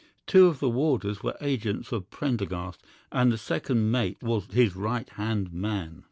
Two of the warders were agents of Prendergast, and the second mate was his right hand man.